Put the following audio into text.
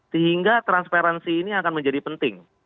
sehingga transparansi ini akan menjadi penting